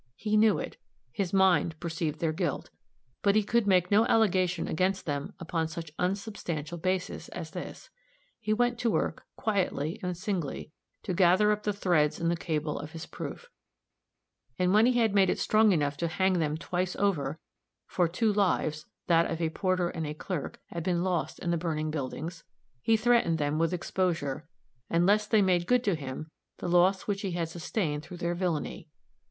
He knew it. His mind perceived their guilt. But he could make no allegation against them upon such unsubstantial basis as this. He went to work, quietly and singly, to gather up the threads in the cable of his proof; and when he had made it strong enough to hang them twice over for two lives, that of a porter and a clerk, had been lost in the burning buildings he threatened them with exposure, unless they made good to him the loss which he had sustained through their villainy.